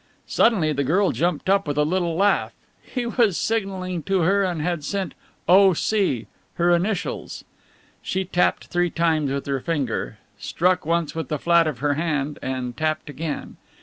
Suddenly the girl jumped up with a little laugh. He was signalling to her and had sent "O.C." her initials. She tapped three times with her finger, struck once with the flat of her hand and tapped again.